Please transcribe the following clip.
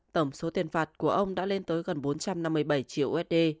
tổng số tiền phạt của ông đã lên tới gần bốn trăm năm mươi bảy triệu usd